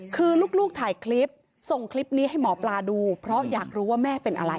คือลูกถ่ายคลิปส่งคลิปนี้ให้หมอปลาดูเพราะอยากรู้ว่าแม่เป็นอะไร